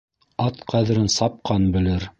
Ат ҡәҙерен сапҡан белер